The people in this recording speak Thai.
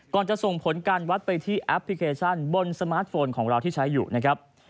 จะส่งผลการวัดไปที่แอปพลิเคชันบนสมาร์ทโฟนของเราที่ใช้อยู่นะครับ